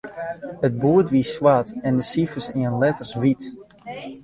It boerd wie swart en de sifers en letters wyt.